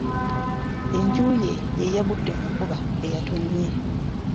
Enju ye yagudde mu nkuba eyatonnye.